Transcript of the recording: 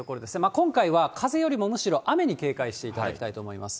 今回は風よりもむしろ雨に警戒していただきたいと思います。